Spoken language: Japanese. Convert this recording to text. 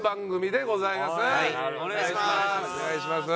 お願いします。